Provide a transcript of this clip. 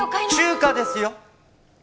中華ですよ。